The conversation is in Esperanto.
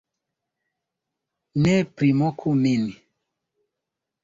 - Ne primoku min